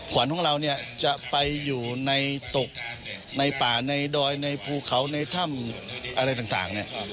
ขวัญของเราเนี่ยจะไปอยู่ในตกในป่าในดอยในภูเขาในถ้ำอะไรต่างเนี่ย